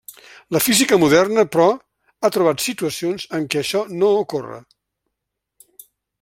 La física moderna, però, ha trobat situacions en què això no ocorre.